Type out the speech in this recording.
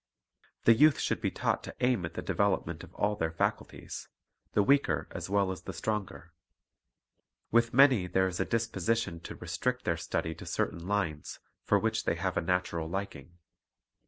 The youth should be taught to aim at the develop ment of all their faculties, the weaker as well as the stronger. With many there is a disposition to restrict their study to certain lines, for which they have a natural liking.